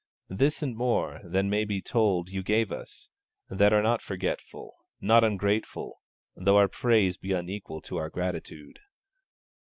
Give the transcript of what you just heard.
This and more than may be told you gave us, that are not forgetful, not ungrateful, though our praise be unequal to our gratitude.